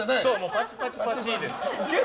パチパチパチですよ。